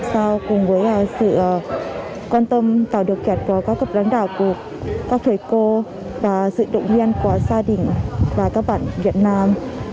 sau cùng với sự quan tâm tạo được kẹt của các cấp đáng đạo của các thầy cô và sự động viên của gia đình và các bạn việt nam